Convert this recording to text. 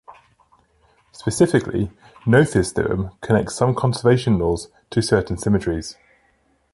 Specifically, Noether's theorem connects some conservation laws to certain symmetries.